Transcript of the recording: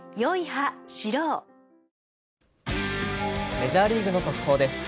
メジャーリーグの速報です。